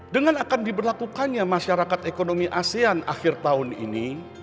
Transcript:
dengan akan diberlakukannya masyarakat ekonomi asean akhir tahun ini